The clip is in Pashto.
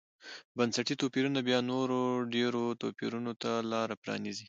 بنسټي توپیرونه بیا نورو ډېرو توپیرونو ته لار پرانېزي.